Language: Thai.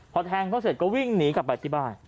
พอแทงเขาเสร็จก็วิ่งหนีกลับไปที่บ้าน